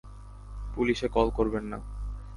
পুলিশে কল করবেন না।